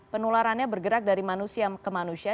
penularannya bergerak dari manusia ke manusia